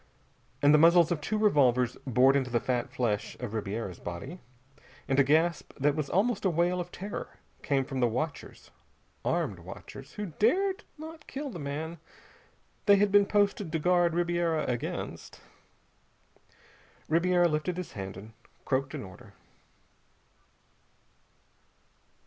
And the muzzles of two revolvers bored into the fat flesh of Ribiera's body, and a gasp that was almost a wail of terror came from the watchers armed watchers who dared not kill the man they had been posted to guard Ribiera against. Ribiera lifted his hand and croaked an order.